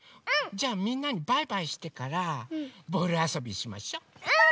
じゃみんなにバイバイしてからボールあそびしましょ。ぽぅ！